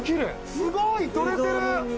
「すごい！撮れてる！」